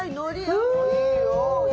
おいいよ。